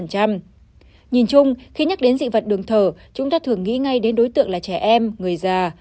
nhìn chung khi nhắc đến dị vật đường thở chúng ta thường nghĩ ngay đến đối tượng là trẻ em người già